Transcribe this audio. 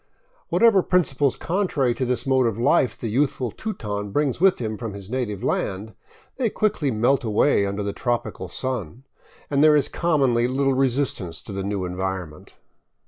Whatever principles contrary to this mode of life the youthful Teuton brings with him from his native land, they quickly melt away under the tropical sun, and there is commonly little resistance to the new en vironment.